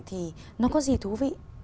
thì nó có gì thú vị